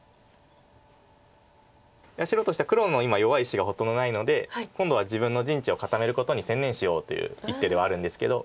白としては黒の今弱い石がほとんどないので今度は自分の陣地を固めることに専念しようという一手ではあるんですけど。